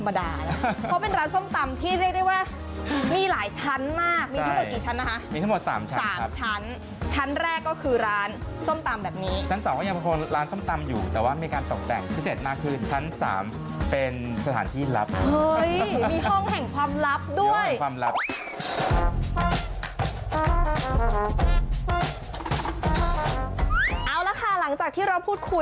เพราะเป็นร้านส้มตำที่เรียกได้ว่ามีหลายชั้นมากมีทั้งหมดกี่ชั้นนะคะมีทั้งหมดสามชั้นครับสามชั้นชั้นแรกก็คือร้านส้มตำแบบนี้ชั้นสองก็ยังพอร้านส้มตำอยู่แต่ว่ามีการตกแต่งพิเศษมากคือชั้นสามเป็นสถานที่ลับเฮ้ยมีห้องแห่งความลับด้วยห้องแห่งความลับเอาละค่ะหลังจากที่เราพูดคุ